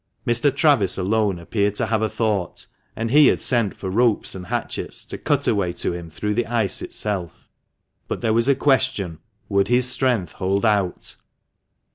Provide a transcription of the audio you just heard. Mr. Travis alone appeared to have a thought, and he had sent for ropes and hatchets to cut a way to him through the ice itself. But there was a question, would his strength hold out?